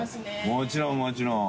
もちろんもちろん。